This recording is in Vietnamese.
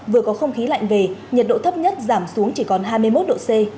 vừa có không khí lạnh về nhiệt độ thấp nhất giảm xuống chỉ còn hai mươi một độ c